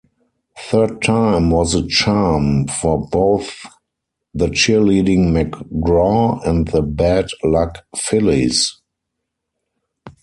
Third time was the charm for both the cheerleading McGraw and the bad-luck Phillies.